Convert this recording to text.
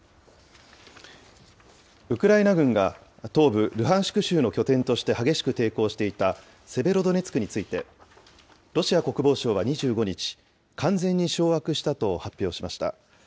ウクライナ軍が東部ルハンシク州の拠点として激しく抵抗していたセベロドネツクについて、ロシア国防省は２５日、完全に掌握したと発表しました。